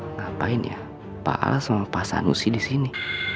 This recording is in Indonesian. ngapain ya pa allah sama pak sanusi disini